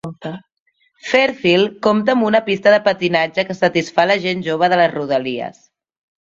Fairfield compta amb una pista de patinatge que satisfà la gent jove de les rodalies.